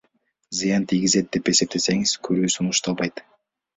Зыян тийгизет деп эсептесеңиз, көрүү сунушталбайт.